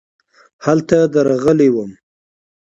هلته درغلی وم .